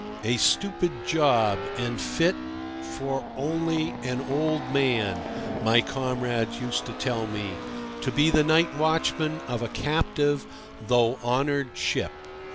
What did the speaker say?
A stupid job, and fit only for an old man, my comrades used to tell me, to be the night watchman of a captive (though honoured) ship.